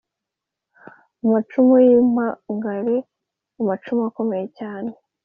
amacumu y’impangare: amacumu akomeye cyane